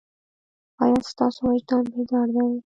ایا ستاسو وجدان بیدار دی؟